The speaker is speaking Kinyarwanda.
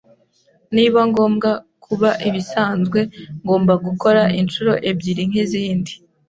Niba ngomba kuba ibisanzwe, ngomba gukora inshuro ebyiri nkizindi.